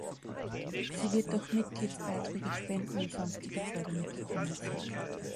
Sie wird durch Mitgliedsbeiträge, Spenden und sonstige Fördermittel finanziert.